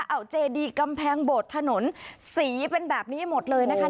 เอาเจดีกำแพงโบดถนนสีเป็นแบบนี้หมดเลยนะคะ